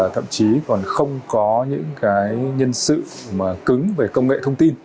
thậm chí còn không có những nhân sự cứng về công nghệ thông tin